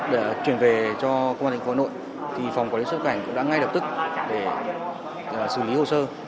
để chuyển về cho công an thành phố hà nội thì phòng quản lý xuất nhập cảnh cũng đã ngay lập tức để xử lý hồ sơ